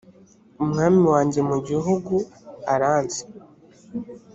umwami wanjye mu gihugu aranzi